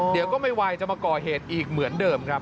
เดี๋ยวก็ไม่ไหวจะมาก่อเหตุอีกเหมือนเดิมครับ